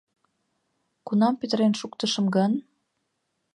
Кунам петырен шуктышым гын?